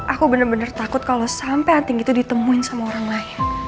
aku bener bener takut kalau sampai nanti gitu ditemuin sama orang lain